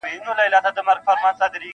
• ستا به هېر سوی یم خو زه دي هېرولای نه سم -